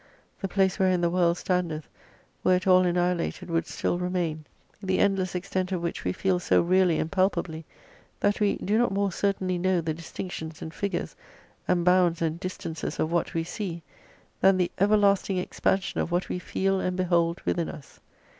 The place wherein the world standeth, were it all annihilated would still remain, the endless extent of which we feel so really and palpably, that we do not more certainly know the distinctions and figures and bounds and distances of what we see, than the everlasting expansion of what we feel and behold within us.